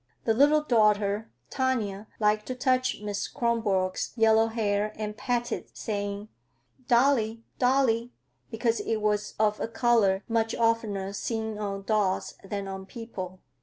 The little daughter, Tanya, liked to touch Miss Kronborg's yellow hair and pat it, saying, "Dolly, dolly," because it was of a color much oftener seen on dolls than on people.